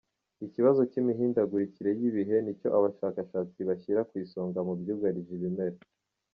Ikibazo cy’imihindagurikire y’ibihe ni cyo abashakashatsi bashyira ku isonga mu byugarije ibimera.